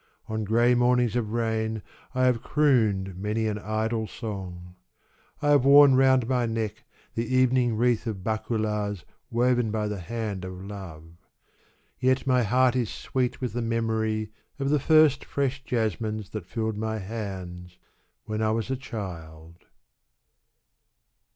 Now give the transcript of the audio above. On grey mornings of rain I have crooned many an idle song. I have worn round my neck the evening wreath of bakulas woven by the hand of love. Yet my heart is sweet with the memory of the first fresh jasmines that filled my hands when I was a child.